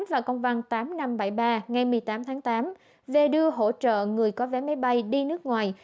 và công văn tám nghìn năm trăm bảy mươi ba ngày một mươi tám tháng tám về đưa hỗ trợ người có vé máy bay đi nước ngoài